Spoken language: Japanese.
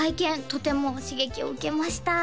とても刺激を受けました